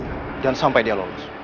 jangan sampai dia lolos